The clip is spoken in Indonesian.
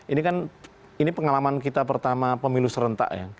ini kan ini pengalaman kita pertama pemilu serentak ya